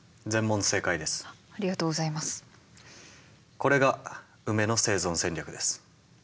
これがウメの生存戦略です。